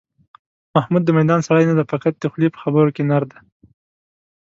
محمود د میدان سړی نه دی، فقط د خولې په خبرو کې نر دی.